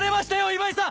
今井さん！